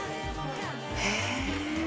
へえ。